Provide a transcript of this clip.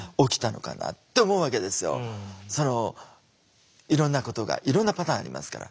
そのいろんなことがいろんなパターンありますから。